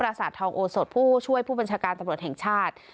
สาดทองโอสดผู้ช่วยผู้บัญชาการตำรวจแห่งชาติ